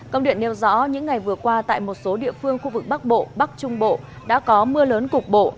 công điện nêu rõ những ngày vừa qua tại một số địa phương khu vực bắc bộ bắc trung bộ đã có mưa lớn cục bộ